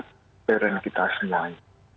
kebenaran kita semuanya